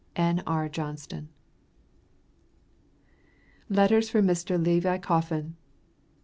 N.R. JOHNSTON. LETTERS FROM LEVI COFFIN.